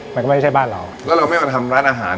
มันก็ไม่ได้ใช่บ้านเราก็เราไม่เอาทำร้านอาหาร